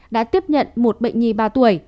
đã tiếp nhận một bệnh nhi ba tuổi